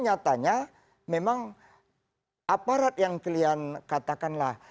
nyatanya memang aparat yang kalian katakanlah